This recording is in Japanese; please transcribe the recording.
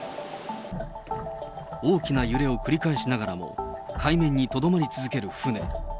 大きな揺れを繰り返しながらも、海面にとどまり続ける船。